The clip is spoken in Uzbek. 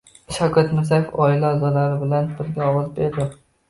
Shavkat Mirziyoyev oila a’zolari bilan birga ovoz berdi